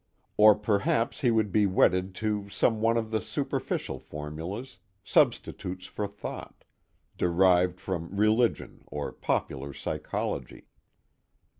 Or perhaps he would be wedded to some one of the superficial formulas, substitutes for thought, derived from religion or popular psychology.